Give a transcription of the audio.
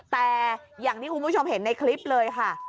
แต่อย่างที่คุณผู้ชมเห็นในคลิปเลยค่ะ